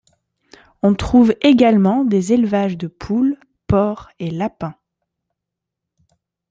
On trouve également des élevages de poules, porcs et lapins.